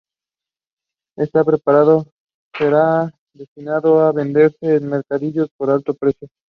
Este preparado sería destinado a venderse en mercadillos a alto precio.